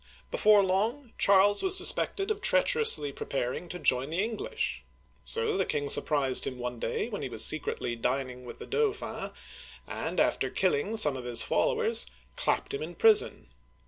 Before long, Charles was suspected of treacherously preparing to join the English. So the king surprised him one day when he was secretly dining with the Dauphin, and after killing some of his followers, clapped him in prison.